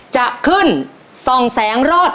จะขึ้นส่องแสงรอด